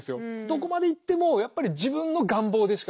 どこまでいってもやっぱり自分の願望でしかなくて。